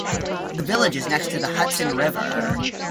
The village is next to the Hudson River.